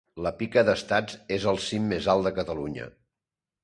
La Pica d'estats es el cim mes alt de Catalunya.